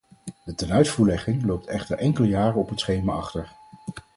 De tenuitvoerlegging loopt echter enkele jaren op het schema achter.